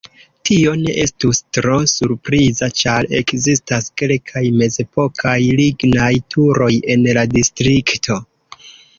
Tio ne estus tro surpriza ĉar ekzistas kelkaj mezepokaj lignaj turoj en la distrikto.